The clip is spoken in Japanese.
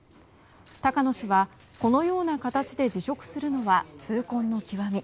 高野氏は、このような形で辞職するのは痛恨の極み。